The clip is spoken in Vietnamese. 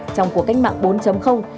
trong cuộc cách mạng bốn